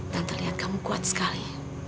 tante lihat kamu kuat sekali